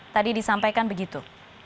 tadi disampaikan begitu